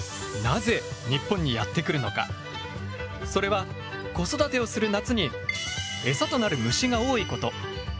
それは子育てをする夏にエサとなる虫が多いこと。